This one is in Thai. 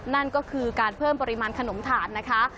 นั่นก็คือการเพิ่มปริมาณขนมถ่านนะคะ